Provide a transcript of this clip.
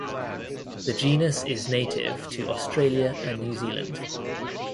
The genus is native to Australia and New Zealand.